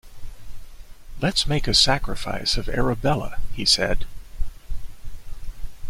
“Let’s make a sacrifice of Arabella,” he said.